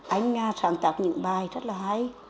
anh sáng tạo những bài rất là hay